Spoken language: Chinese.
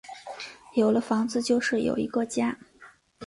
有了房子就是有一个家